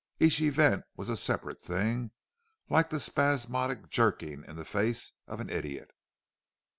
Each event was a separate thing, like the spasmodic jerking in the face of an idiot.